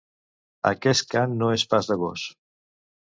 Aquest cant no és pas de gos.